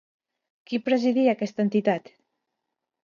Qui presidia aquesta entitat?